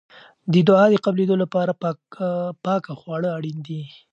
د دعا د قبلېدو لپاره پاکه خواړه اړین دي.